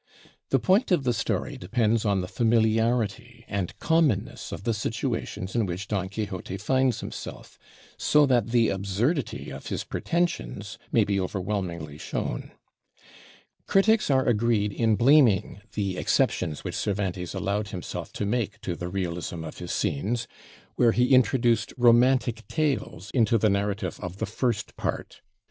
The point of the story depends on the familiarity and commonness of the situations in which Don Quixote finds himself, so that the absurdity of his pretensions may be overwhelmingly shown. Critics are agreed in blaming the exceptions which Cervantes allowed himself to make to the realism of his scenes, where he introduced romantic tales into the narrative of the first part.